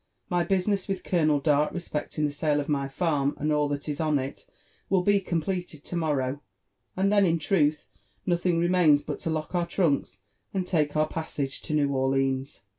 My business with Colonel Dart respecting the sale of my farm and all that is on it will be completed to morrow; and then, in truth, nothing remains but to lock our trunks and take our passage to New Orleans."